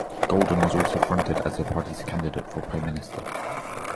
Golden was also fronted as the party's candidate for Prime Minister.